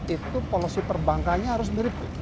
itu policy perbankannya harus mirip kelapa sawit